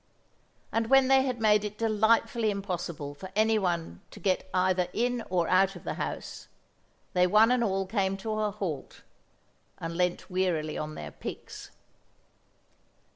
And when they had made it delightfully impossible for anyone to get either in or out of the house, they one and all came to a halt, and leant wearily on their picks.